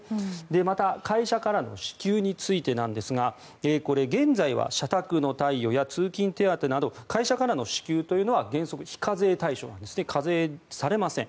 また、会社からの支給についてなんですがこれは現在は社宅の貸与や通勤手当など会社からの支給というのは原則非課税対象です課税されません。